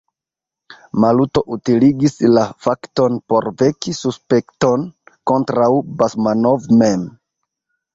Maluto utiligis la fakton por veki suspekton kontraŭ Basmanov mem.